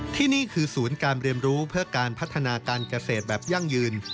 ที่นี่คือศูนย์การเรียนรู้เพื่อการพัฒนาการเกษตรแบบยั่งยืน